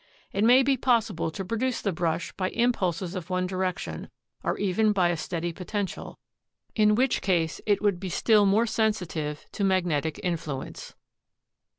"It may be possible to produce the brush by impulses of one direction, or even by a steady potential, in which case it would be still more sensitive to magnetic influence."